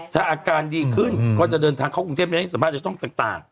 ถ้าอาการดีขึ้นก็จะเดินทางเข้ากรุงเทพและให้สามารถจะต้องต่าง